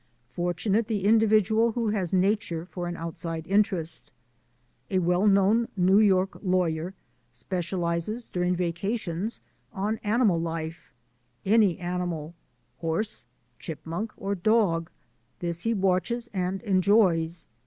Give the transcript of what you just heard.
Fortunate the individual who has nature for an outside interest. A well known New York law yer specializes during vacations on animal life — any animal — horse, chipmunk, or dog; this he watches and enjoys.